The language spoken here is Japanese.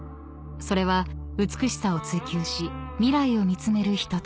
［それは美しさを追求し未来を見つめるひととき］